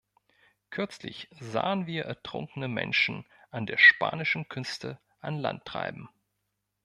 Kürzlich sahen wir ertrunkene Menschen an der spanischen Küste an Land treiben.